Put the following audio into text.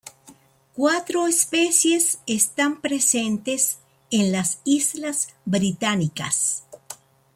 Cuatro especies están presentes en las Islas Británicas.